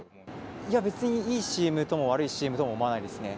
いや、別にいいＣＭとも悪いＣＭとも思わないですね。